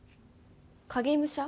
影武者？